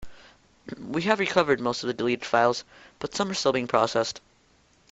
We have recovered most of the deleted files, but some are still being processed.